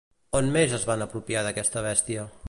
On més es van apropiar d'aquesta bèstia?